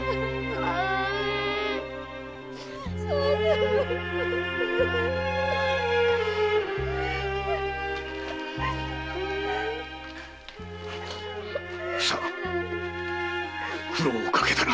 ふさ苦労をかけたな。